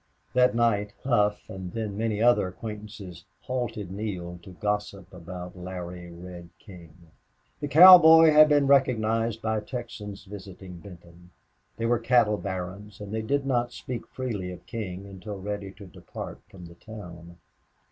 That night Hough and then many other acquaintances halted Neale to gossip about Larry Reel King. The cowboy had been recognized by Texans visiting Benton. They were cattle barons and they did not speak freely of King until ready to depart from the town.